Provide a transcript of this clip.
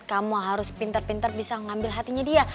kamu harus pintar pintar bisa mengambil hatinya dia